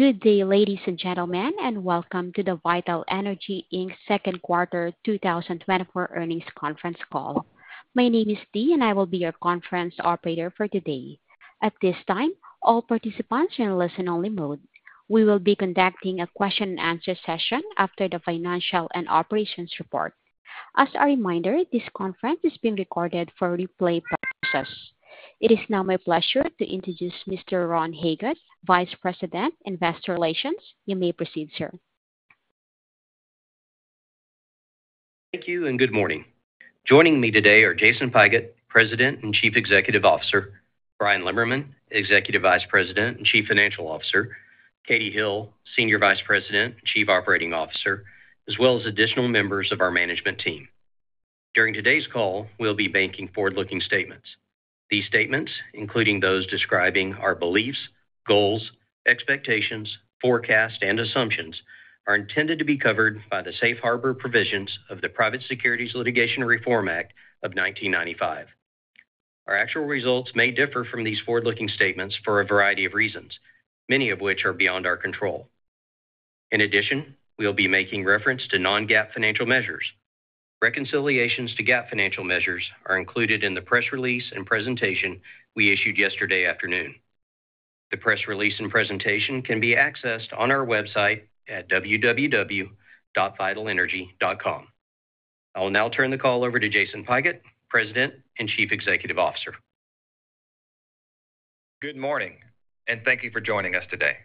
Good day, ladies and gentlemen, and welcome to the Vital Energy Inc. second quarter 2024 earnings conference call. My name is Dee, and I will be your conference operator for today. At this time, all participants are in a listen-only mode. We will be conducting a question-and-answer session after the financial and operations report. As a reminder, this conference is being recorded for replay purposes. It is now my pleasure to introduce Mr. Ron Hagood, Vice President, Investor Relations. You may proceed, sir. Thank you, and good morning. Joining me today are Jason Pigott, President and Chief Executive Officer, Bryan Lemmerman, Executive Vice President and Chief Financial Officer, Katie Hill, Senior Vice President and Chief Operating Officer, as well as additional members of our management team. During today's call, we'll be making forward-looking statements. These statements, including those describing our beliefs, goals, expectations, forecasts, and assumptions, are intended to be covered by the safe harbor provisions of the Private Securities Litigation Reform Act of 1995. Our actual results may differ from these forward-looking statements for a variety of reasons, many of which are beyond our control. In addition, we'll be making reference to non-GAAP financial measures. Reconciliations to GAAP financial measures are included in the press release and presentation we issued yesterday afternoon. The press release and presentation can be accessed on our website at www.vitalenergy.com. I will now turn the call over to Jason Pigott, President and Chief Executive Officer. Good morning, and thank you for joining us today.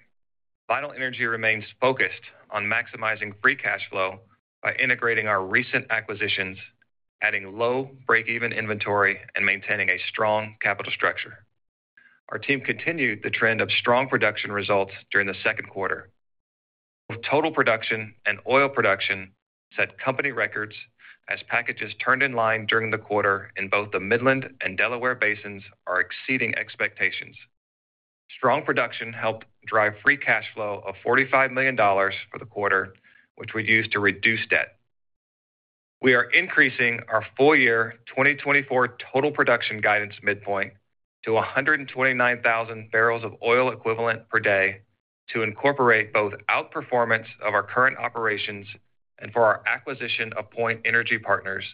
Vital Energy remains focused on maximizing free cash flow by integrating our recent acquisitions, adding low breakeven inventory, and maintaining a strong capital structure. Our team continued the trend of strong production results during the second quarter. Total production and oil production set company records, as pads turned in line during the quarter in both the Midland and Delaware basins are exceeding expectations. Strong production helped drive free cash flow of $45 million for the quarter, which we used to reduce debt. We are increasing our full-year 2024 total production guidance midpoint to 129,000 barrels of oil equivalent per day to incorporate both outperformance of our current operations and for our acquisition of Point Energy Partners,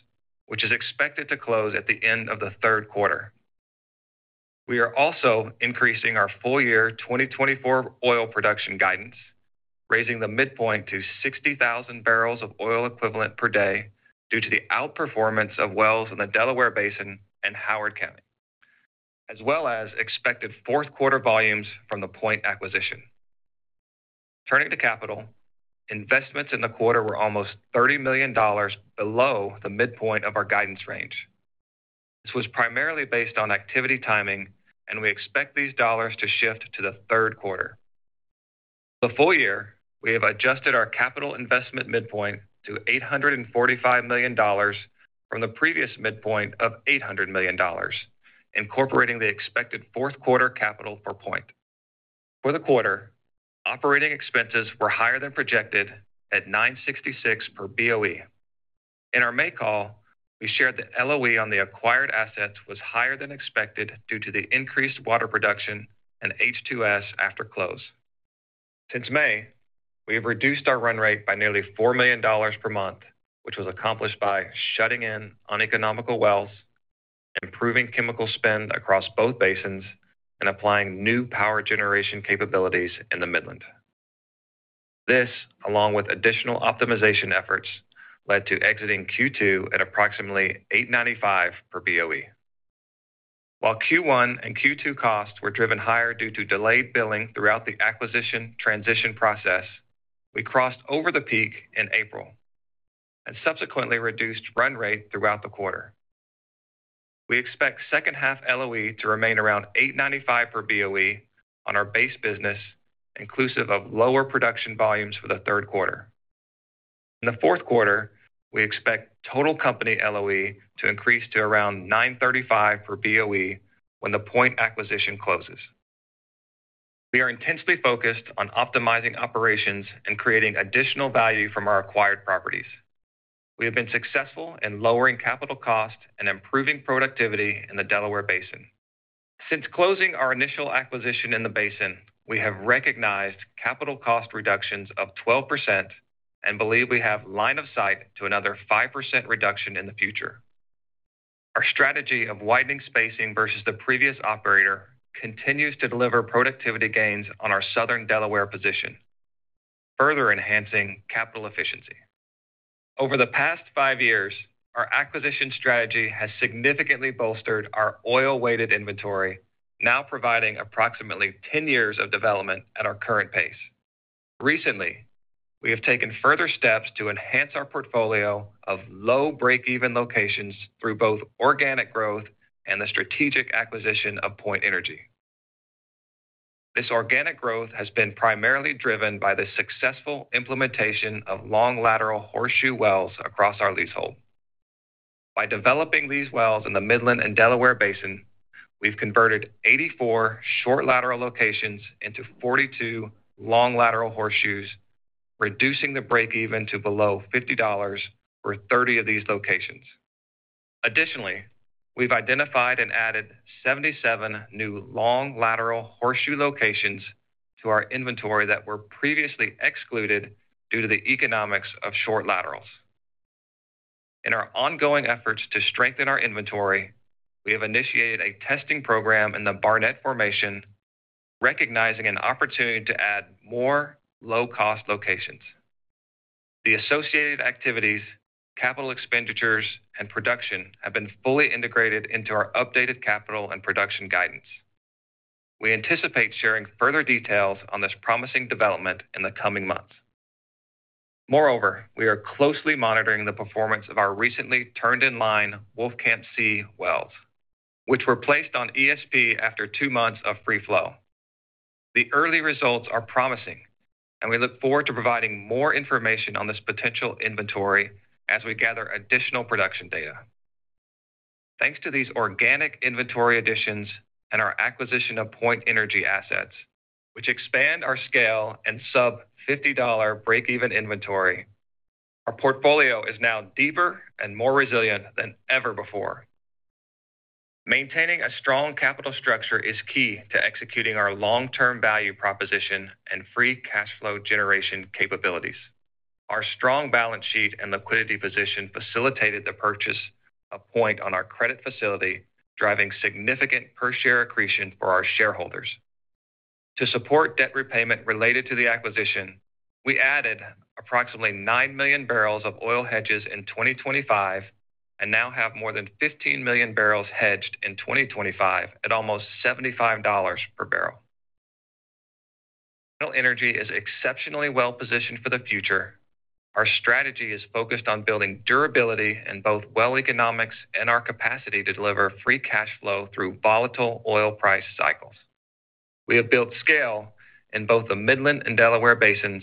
which is expected to close at the end of the third quarter. We are also increasing our full-year 2024 oil production guidance, raising the midpoint to 60,000 barrels of oil equivalent per day, due to the outperformance of wells in the Delaware Basin and Howard County, as well as expected fourth quarter volumes from the Point acquisition. Turning to capital, investments in the quarter were almost $30 million below the midpoint of our guidance range. This was primarily based on activity timing, and we expect these dollars to shift to the third quarter. The full year, we have adjusted our capital investment midpoint to $845 million from the previous midpoint of $800 million, incorporating the expected fourth quarter capital for Point. For the quarter, operating expenses were higher than projected at 966 per BOE. In our May call, we shared that LOE on the acquired assets was higher than expected due to the increased water production and H2S after close. Since May, we have reduced our run rate by nearly $4 million per month, which was accomplished by shutting in uneconomical wells, improving chemical spend across both basins, and applying new power generation capabilities in the Midland. This, along with additional optimization efforts, led to exiting Q2 at approximately $8.95 per BOE. While Q1 and Q2 costs were driven higher due to delayed billing throughout the acquisition transition process, we crossed over the peak in April and subsequently reduced run rate throughout the quarter. We expect second-half LOE to remain around $8.95 per BOE on our base business, inclusive of lower production volumes for the third quarter. In the fourth quarter, we expect total company LOE to increase to around 935 per BOE when the Point acquisition closes. We are intensely focused on optimizing operations and creating additional value from our acquired properties. We have been successful in lowering capital costs and improving productivity in the Delaware Basin. Since closing our initial acquisition in the basin, we have recognized capital cost reductions of 12% and believe we have line of sight to another 5% reduction in the future. Our strategy of widening spacing versus the previous operator continues to deliver productivity gains on our southern Delaware position, further enhancing capital efficiency. Over the past 5 years, our acquisition strategy has significantly bolstered our oil-weighted inventory, now providing approximately 10 years of development at our current pace. Recently, we have taken further steps to enhance our portfolio of low breakeven locations through both organic growth and the strategic acquisition of Point Energy. This organic growth has been primarily driven by the successful implementation of long lateral horseshoe wells across our leasehold. By developing these wells in the Midland and Delaware Basin, we've converted 84 short lateral locations into 42 long lateral horseshoes, reducing the breakeven to below $50 for 30 of these locations. Additionally, we've identified and added 77 new long lateral horseshoe locations to our inventory that were previously excluded due to the economics of short laterals. In our ongoing efforts to strengthen our inventory, we have initiated a testing program in the Barnett formation, recognizing an opportunity to add more low-cost locations. The associated activities, capital expenditures, and production have been fully integrated into our updated capital and production guidance. We anticipate sharing further details on this promising development in the coming months. Moreover, we are closely monitoring the performance of our recently turned-in-line Wolfcamp C wells, which were placed on ESP after two months of free flow. The early results are promising, and we look forward to providing more information on this potential inventory as we gather additional production data. Thanks to these organic inventory additions and our acquisition of Point Energy assets, which expand our scale and sub-$50 breakeven inventory, our portfolio is now deeper and more resilient than ever before. Maintaining a strong capital structure is key to executing our long-term value proposition and free cash flow generation capabilities. Our strong balance sheet and liquidity position facilitated the purchase of Point on our credit facility, driving significant per share accretion for our shareholders. To support debt repayment related to the acquisition, we added approximately 9 million barrels of oil hedges in 2025, and now have more than 15 million barrels hedged in 2025 at almost $75 per barrel. Point Energy is exceptionally well-positioned for the future. Our strategy is focused on building durability in both well economics and our capacity to deliver free cash flow through volatile oil price cycles. We have built scale in both the Midland Basin and Delaware Basin.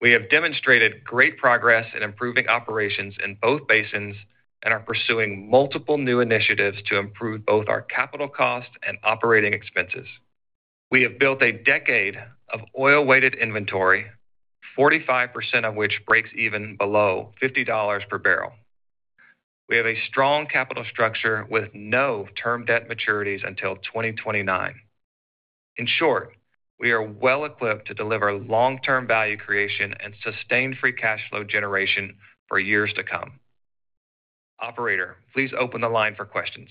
We have demonstrated great progress in improving operations in both basins, and are pursuing multiple new initiatives to improve both our capital costs and operating expenses. We have built a decade of oil-weighted inventory, 45% of which breaks even below $50 per barrel. We have a strong capital structure with no term debt maturities until 2029. In short, we are well equipped to deliver long-term value creation and sustained free cash flow generation for years to come. Operator, please open the line for questions.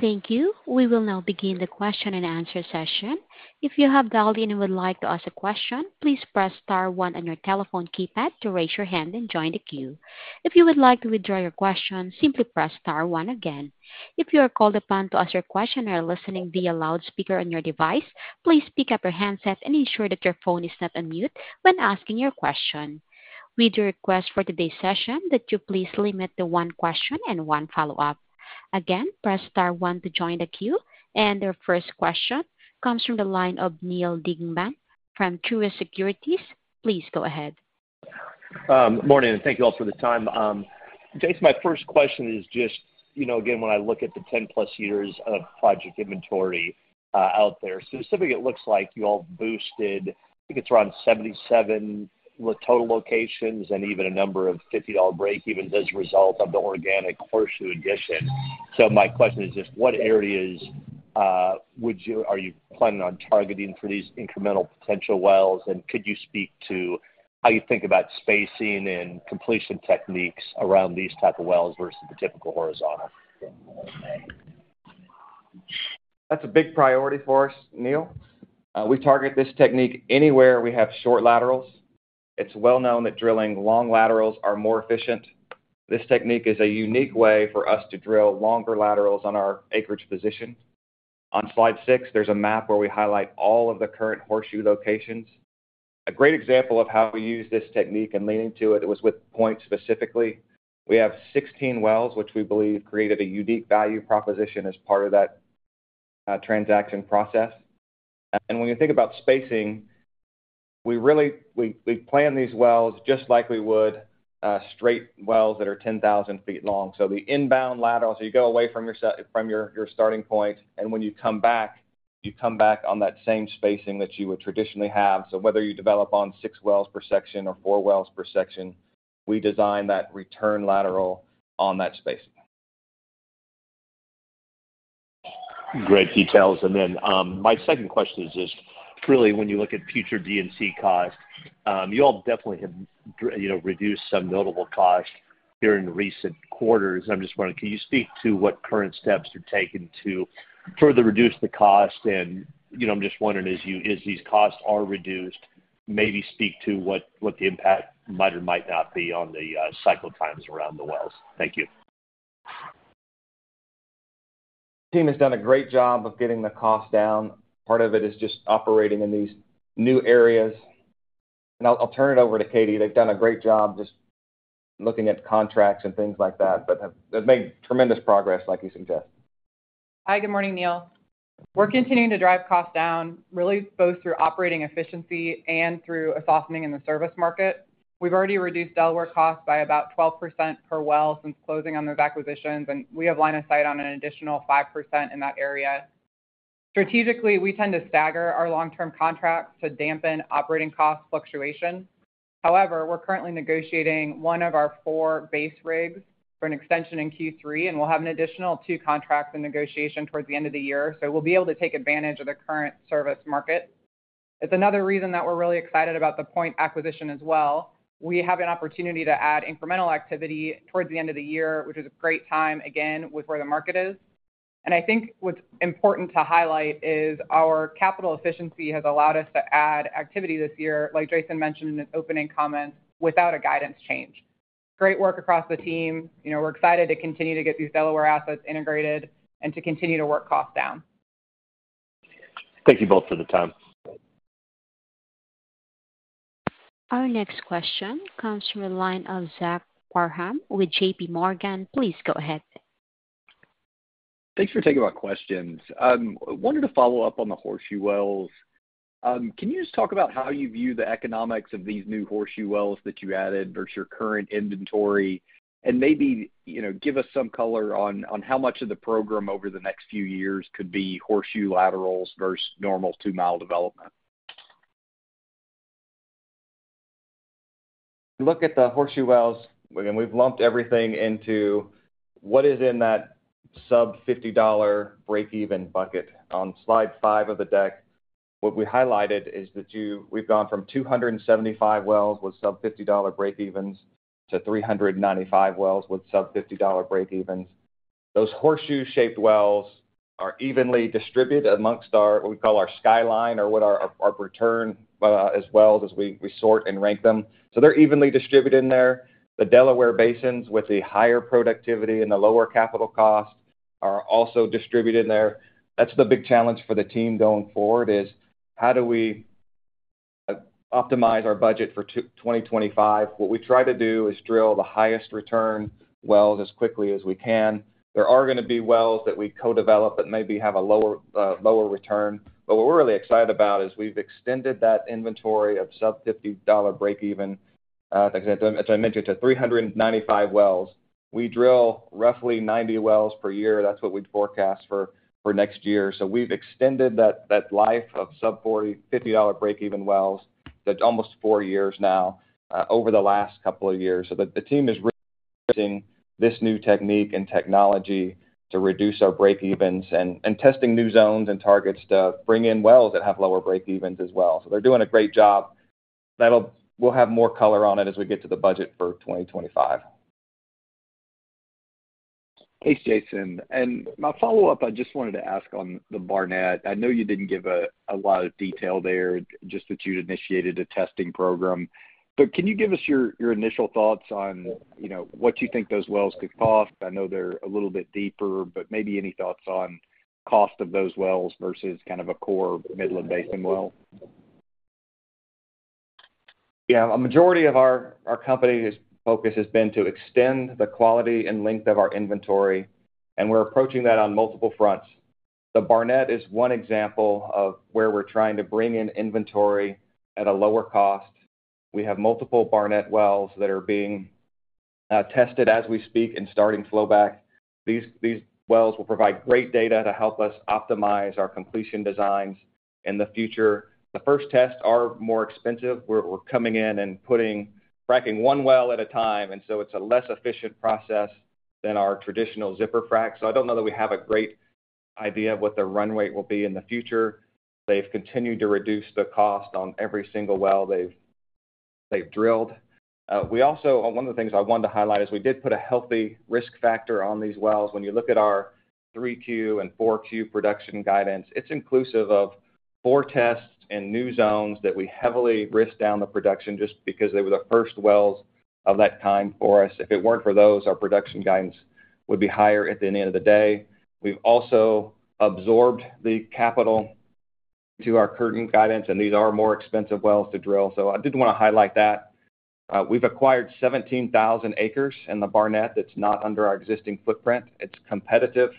Thank you. We will now begin the question-and-answer session. If you have dialed in and would like to ask a question, please press star one on your telephone keypad to raise your hand and join the queue. If you would like to withdraw your question, simply press star one again. If you are called upon to ask your question and are listening via loudspeaker on your device, please pick up your handset and ensure that your phone is not on mute when asking your question. We do request for today's session that you please limit to one question and one follow-up. Again, press star one to join the queue, and our first question comes from the line of Neal Dingman from Truist Securities. Please go ahead. Good morning, and thank you all for the time. Jason, my first question is just, you know, again, when I look at the 10+ years of project inventory out there, specifically, it looks like you all boosted, I think it's around 77 total locations and even a number of $50 breakevens as a result of the organic horseshoe addition. So my question is just, what areas would you-- are you planning on targeting for these incremental potential wells? And could you speak to how you think about spacing and completion techniques around these type of wells versus the typical horizontal? That's a big priority for us, Neal. We target this technique anywhere we have short laterals. It's well known that drilling long laterals are more efficient. This technique is a unique way for us to drill longer laterals on our acreage position. On slide 6, there's a map where we highlight all of the current horseshoe locations. A great example of how we use this technique and leaning into it, it was with Point specifically. We have 16 wells, which we believe created a unique value proposition as part of that transaction process. And when you think about spacing, we really plan these wells just like we would straight wells that are 10,000 feet long. So the inbound laterals, you go away from your starting point, and when you come back, you come back on that same spacing that you would traditionally have. So whether you develop on six wells per section or four wells per section, we design that return lateral on that space. Great details. And then, my second question is just really when you look at future D&C costs, you all definitely have, you know, reduced some notable costs during recent quarters. I'm just wondering, can you speak to what current steps are taken to further reduce the cost? And, you know, I'm just wondering, as you, as these costs are reduced, maybe speak to what, what the impact might or might not be on the cycle times around the wells. Thank you. team has done a great job of getting the cost down. Part of it is just operating in these new areas, and I'll turn it over to Katie. They've done a great job just looking at contracts and things like that, but they've made tremendous progress, like you suggest. Hi, good morning, Neal. We're continuing to drive costs down, really both through operating efficiency and through a softening in the service market. We've already reduced Delaware costs by about 12% per well since closing on those acquisitions, and we have line of sight on an additional 5% in that area. ... strategically, we tend to stagger our long-term contracts to dampen operating cost fluctuation. However, we're currently negotiating one of our four base rigs for an extension in Q3, and we'll have an additional two contracts in negotiation towards the end of the year, so we'll be able to take advantage of the current service market. It's another reason that we're really excited about the Point acquisition as well. We have an opportunity to add incremental activity towards the end of the year, which is a great time, again, with where the market is. And I think what's important to highlight is our capital efficiency has allowed us to add activity this year, like Jason mentioned in his opening comments, without a guidance change. Great work across the team. You know, we're excited to continue to get these Delaware assets integrated and to continue to work costs down. Thank you both for the time. Our next question comes from the line of Zach Parham with JP Morgan. Please go ahead. Thanks for taking my questions. I wanted to follow up on the horseshoe wells. Can you just talk about how you view the economics of these new horseshoe wells that you added versus your current inventory? Maybe, you know, give us some color on how much of the program over the next few years could be horseshoe laterals versus normal two-mile development. Look at the horseshoe wells, I mean, we've lumped everything into what is in that sub-$50 breakeven bucket. On slide 5 of the deck, what we highlighted is that we've gone from 275 wells with sub-$50 breakevens to 395 wells with sub-$50 breakevens. Those horseshoe-shaped wells are evenly distributed amongst our, what we call our skyline or what our, our return, as wells as we, we sort and rank them. So they're evenly distributed in there. The Delaware basins with the higher productivity and the lower capital costs are also distributed in there. That's the big challenge for the team going forward, is: How do we optimize our budget for 2025? What we try to do is drill the highest return wells as quickly as we can. There are gonna be wells that we co-develop that maybe have a lower, lower return. But what we're really excited about is we've extended that inventory of sub-$50 breakeven, as I, as I mentioned, to 395 wells. We drill roughly 90 wells per year. That's what we'd forecast for next year. So we've extended that life of sub-$40-$50 breakeven wells; that's almost 4 years now over the last couple of years. So the team is really using this new technique and technology to reduce our breakevens and testing new zones and targets to bring in wells that have lower breakevens as well. So they're doing a great job. We'll have more color on it as we get to the budget for 2025. Thanks, Jason. My follow-up, I just wanted to ask on the Barnett. I know you didn't give a lot of detail there, just that you'd initiated a testing program. But can you give us your initial thoughts on, you know, what you think those wells could cost? I know they're a little bit deeper, but maybe any thoughts on cost of those wells versus kind of a core Midland Basin well? Yeah. A majority of our company's focus has been to extend the quality and length of our inventory, and we're approaching that on multiple fronts. The Barnett is one example of where we're trying to bring in inventory at a lower cost. We have multiple Barnett wells that are being tested as we speak and starting flowback. These wells will provide great data to help us optimize our completion designs in the future. The first tests are more expensive. We're coming in and fracking one well at a time, and so it's a less efficient process than our traditional zipper fracs. So I don't know that we have a great idea of what the run rate will be in the future. They've continued to reduce the cost on every single well they've drilled. We also. One of the things I wanted to highlight is we did put a healthy risk factor on these wells. When you look at our 3Q and 4Q production guidance, it's inclusive of 4 tests in new zones that we heavily risked down the production just because they were the first wells of that kind for us. If it weren't for those, our production guidance would be higher at the end of the day. We've also absorbed the capital to our current guidance, and these are more expensive wells to drill. So I did want to highlight that. We've acquired 17,000 acres in the Barnett. That's not under our existing footprint. It's competitive,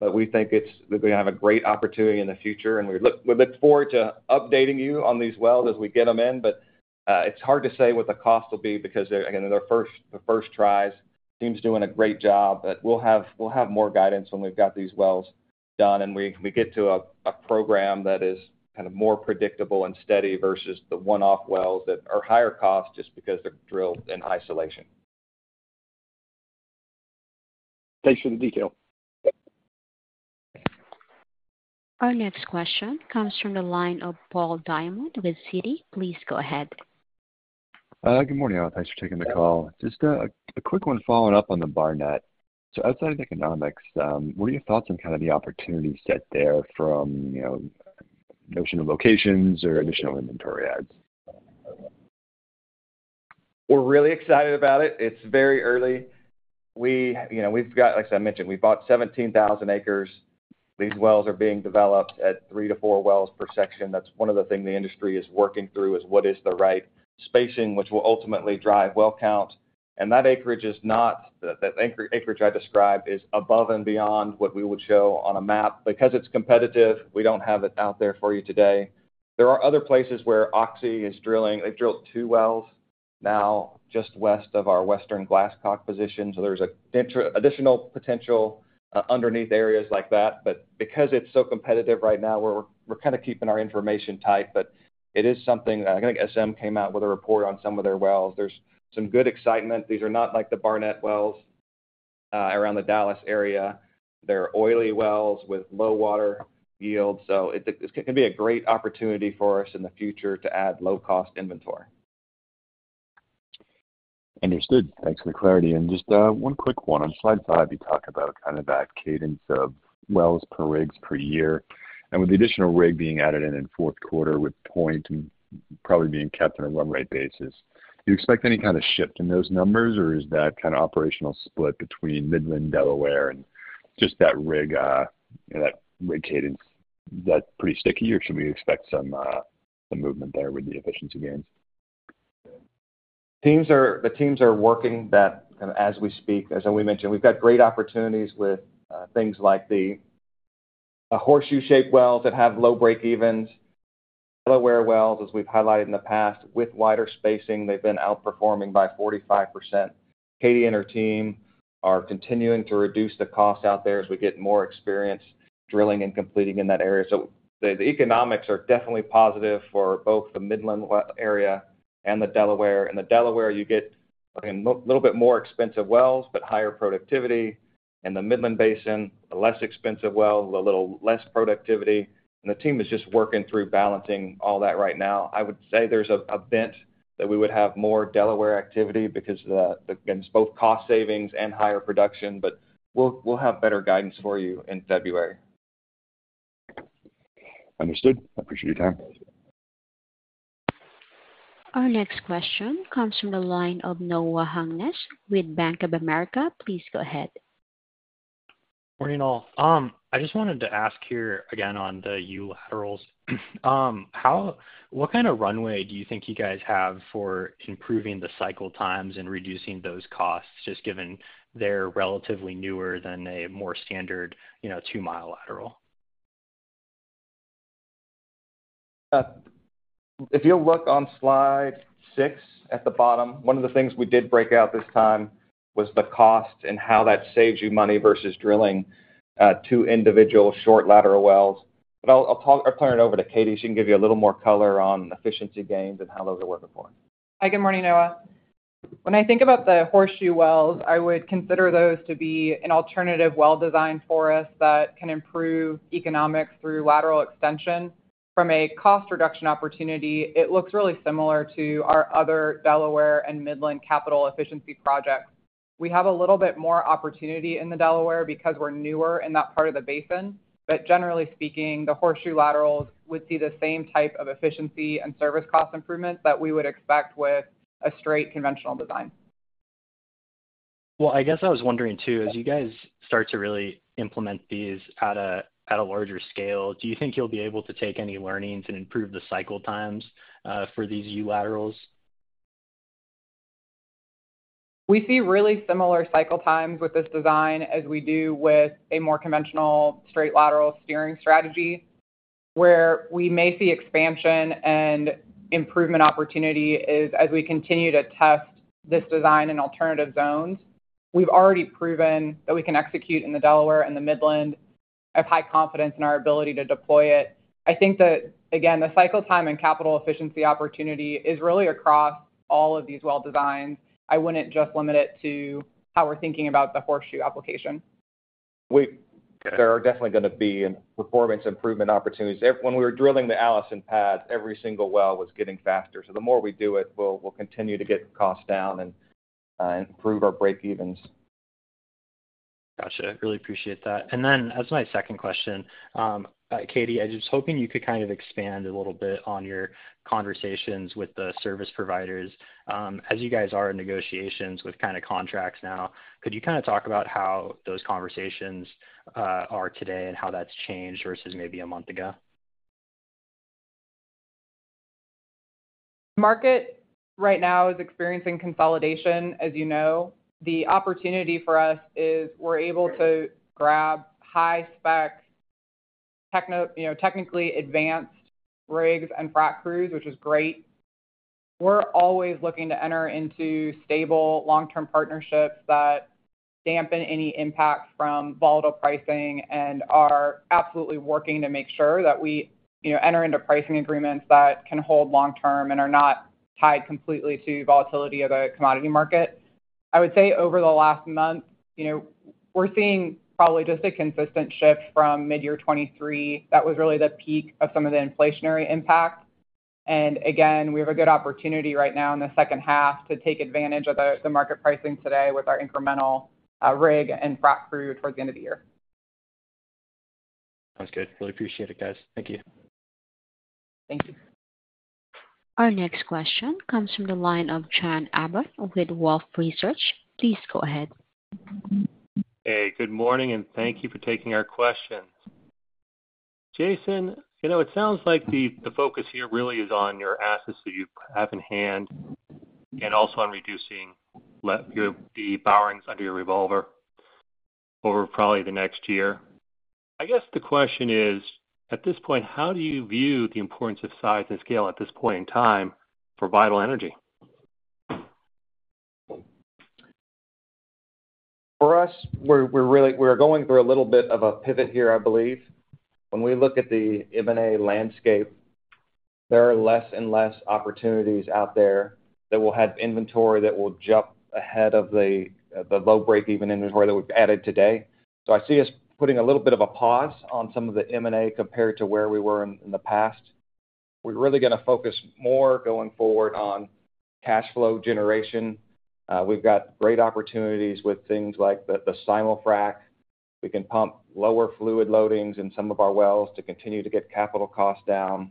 but we think it's, we're gonna have a great opportunity in the future, and we look forward to updating you on these wells as we get them in. But, it's hard to say what the cost will be because, again, they're the first tries. Team's doing a great job, but we'll have more guidance when we've got these wells done and we get to a program that is kind of more predictable and steady versus the one-off wells that are higher cost just because they're drilled in isolation. Thanks for the detail. Our next question comes from the line of Paul Diamond with Citi. Please go ahead. Good morning, all. Thanks for taking the call. Just a quick one following up on the Barnett. So outside of economics, what are your thoughts on kind of the opportunity set there from, you know, notional locations or additional inventory adds? We're really excited about it. It's very early. You know, like I mentioned, we bought 17,000 acres. These wells are being developed at 3-4 wells per section. That's one of the things the industry is working through, is what is the right spacing, which will ultimately drive well count. And that acreage I described is above and beyond what we would show on a map. Because it's competitive, we don't have it out there for you today. There are other places where Oxy is drilling. They've drilled 2 wells now just west of our Western Glasscock position. So there's a potential additional potential underneath areas like that. But because it's so competitive right now, we're kind of keeping our information tight. It is something, I think SM came out with a report on some of their wells. There's some good excitement. These are not like the Barnett wells around the Dallas area. They're oily wells with low water yield, so it could be a great opportunity for us in the future to add low-cost inventory. Understood. Thanks for the clarity. And just one quick one. On slide five, you talk about kind of that cadence of wells per rigs per year, and with the additional rig being added in fourth quarter, with Point probably being kept on a run rate basis, do you expect any kind of shift in those numbers, or is that kind of operational split between Midland, Delaware, and just that rig, that rig cadence, is that pretty sticky, or should we expect some movement there with the efficiency gains? The teams are working that, kind of, as we speak. As we mentioned, we've got great opportunities with things like the horseshoe-shaped wells that have low breakevens. Delaware wells, as we've highlighted in the past, with wider spacing, they've been outperforming by 45%. Katie and her team are continuing to reduce the cost out there as we get more experience drilling and completing in that area. So the economics are definitely positive for both the Midland well area and the Delaware. In the Delaware, you get, again, a little bit more expensive wells, but higher productivity. In the Midland Basin, a less expensive well, a little less productivity. The team is just working through balancing all that right now. I would say there's a bent that we would have more Delaware activity because, again, it's both cost savings and higher production, but we'll have better guidance for you in February. Understood. I appreciate your time. Our next question comes from the line of Noah Hungness with Bank of America. Please go ahead. Morning, all. I just wanted to ask here again on the U laterals. What kind of runway do you think you guys have for improving the cycle times and reducing those costs, just given they're relatively newer than a more standard, you know, two-mile lateral? If you'll look on slide 6 at the bottom, one of the things we did break out this time was the cost and how that saves you money versus drilling 2 individual short lateral wells. But I'll turn it over to Katie. She can give you a little more color on efficiency gains and how those are working for us. Hi, good morning, Noah. When I think about the horseshoe wells, I would consider those to be an alternative well design for us that can improve economics through lateral extension. From a cost reduction opportunity, it looks really similar to our other Delaware and Midland capital efficiency projects. We have a little bit more opportunity in the Delaware because we're newer in that part of the basin, but generally speaking, the horseshoe laterals would see the same type of efficiency and service cost improvements that we would expect with a straight conventional design. Well, I guess I was wondering, too, as you guys start to really implement these at a larger scale, do you think you'll be able to take any learnings and improve the cycle times for these U laterals? We see really similar cycle times with this design as we do with a more conventional straight lateral steering strategy. Where we may see expansion and improvement opportunity is, as we continue to test this design in alternative zones. We've already proven that we can execute in the Delaware and the Midland, have high confidence in our ability to deploy it. I think that, again, the cycle time and capital efficiency opportunity is really across all of these well designs. I wouldn't just limit it to how we're thinking about the horseshoe application. We- Okay. There are definitely gonna be performance improvement opportunities. When we were drilling the Allison pad, every single well was getting faster. So the more we do it, we'll continue to get costs down and improve our breakevens. Gotcha. Really appreciate that. And then as my second question, Katie, I was hoping you could kind of expand a little bit on your conversations with the service providers. As you guys are in negotiations with kind of contracts now, could you kind of talk about how those conversations are today and how that's changed versus maybe a month ago? Market right now is experiencing consolidation, as you know. The opportunity for us is we're able to grab high-spec, you know, technically advanced rigs and frac crews, which is great. We're always looking to enter into stable, long-term partnerships that dampen any impact from volatile pricing and are absolutely working to make sure that we, you know, enter into pricing agreements that can hold long term and are not tied completely to volatility of the commodity market. I would say over the last month, you know, we're seeing probably just a consistent shift from mid-year 2023. That was really the peak of some of the inflationary impact. Again, we have a good opportunity right now in the second half to take advantage of the market pricing today with our incremental, rig and frac crew towards the end of the year. That's good. Really appreciate it, guys. Thank you. Thank you. Our next question comes from the line of Chan Abbott with Wolfe Research. Please go ahead. Hey, good morning, and thank you for taking our questions. Jason, you know, it sounds like the focus here really is on your assets that you have in hand and also on reducing the borrowings under your revolver.... over probably the next year. I guess the question is, at this point, how do you view the importance of size and scale at this point in time for Vital Energy? For us, we're really going through a little bit of a pivot here, I believe. When we look at the M&A landscape, there are less and less opportunities out there that will have inventory that will jump ahead of the low break-even inventory that we've added today. So I see us putting a little bit of a pause on some of the M&A compared to where we were in the past. We're really gonna focus more going forward on cash flow generation. We've got great opportunities with things like the simulfrac. We can pump lower fluid loadings in some of our wells to continue to get capital costs down.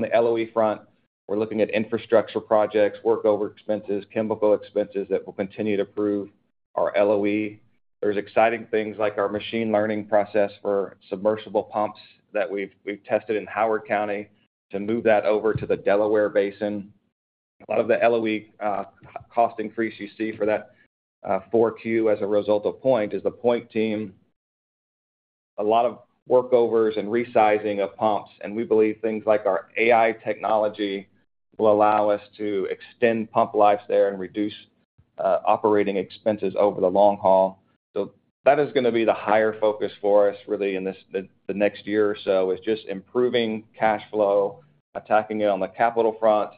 On the LOE front, we're looking at infrastructure projects, workover expenses, chemical expenses that will continue to improve our LOE. There's exciting things like our machine learning process for submersible pumps that we've tested in Howard County to move that over to the Delaware Basin. A lot of the LOE, cost increase you see for that, 4Q as a result of Point is the Point team. A lot of workovers and resizing of pumps, and we believe things like our AI technology will allow us to extend pump lives there and reduce, operating expenses over the long haul. So that is gonna be the higher focus for us, really, in the next year or so, is just improving cash flow, attacking it on the capital front,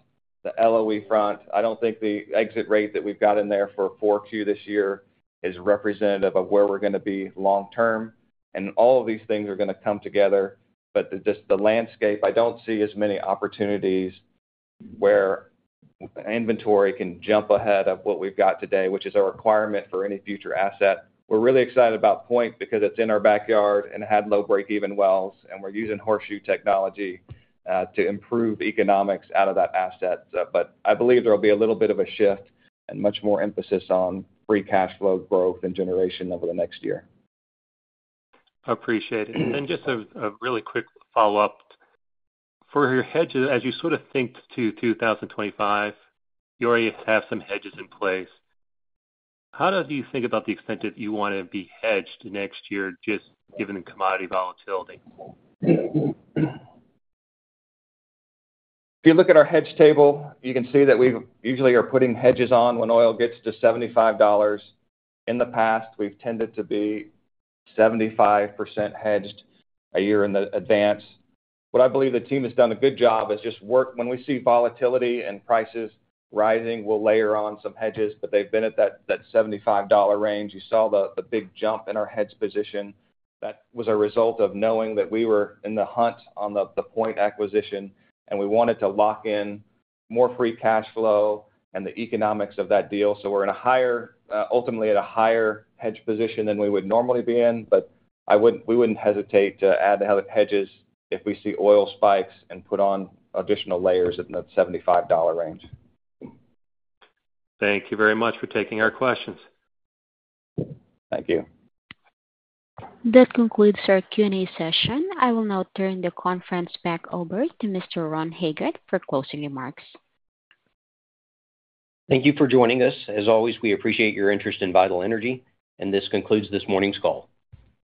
the LOE front. I don't think the exit rate that we've got in there for 4Q this year is representative of where we're gonna be long term, and all of these things are gonna come together. But just the landscape, I don't see as many opportunities where inventory can jump ahead of what we've got today, which is a requirement for any future asset. We're really excited about Point because it's in our backyard and had low break-even wells, and we're using horseshoe technology to improve economics out of that asset. But I believe there will be a little bit of a shift and much more emphasis on free cash flow growth and generation over the next year. Appreciate it. Just a really quick follow-up. For your hedges, as you sort of think to 2025, you already have some hedges in place. How do you think about the extent that you wanna be hedged next year, just given the commodity volatility? If you look at our hedge table, you can see that we usually are putting hedges on when oil gets to $75. In the past, we've tended to be 75% hedged a year in advance. What I believe the team has done a good job is when we see volatility and prices rising, we'll layer on some hedges, but they've been at that $75 range. You saw the big jump in our hedge position. That was a result of knowing that we were in the hunt on the Point acquisition, and we wanted to lock in more free cash flow and the economics of that deal. We're in a higher, ultimately, at a higher hedge position than we would normally be in, but we wouldn't hesitate to add the other hedges if we see oil spikes and put on additional layers at that $75 range. Thank you very much for taking our questions. Thank you. That concludes our Q&A session. I will now turn the conference back over to Mr. Ron Hagood for closing remarks. Thank you for joining us. As always, we appreciate your interest in Vital Energy, and this concludes this morning's call.